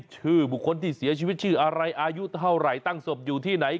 ชื่อบุคคลที่เสียชีวิตชื่ออะไรอายุเท่าไหร่ตั้งศพอยู่ที่ไหน